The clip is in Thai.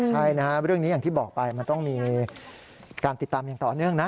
ใช่นะครับเรื่องนี้อย่างที่บอกไปมันต้องมีการติดตามอย่างต่อเนื่องนะ